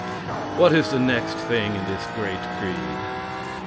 What is the next thing in this great creed?